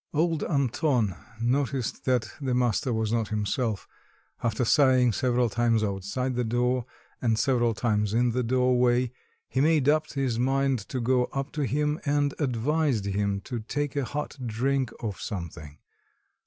Old Anton noticed that the master was not himself: after sighing several times outside the door and several times in the doorway, he made up his mind to go up to him, and advised him to take a hot drink of something.